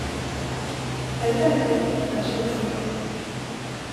Är det verkligen äkta känslor?